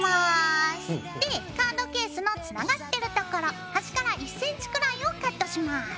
でカードケースのつながってるところ端から１ｃｍくらいをカットします。